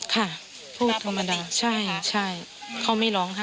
ค่ะพูดธรรมดาใช่เขาไม่ร้องไห้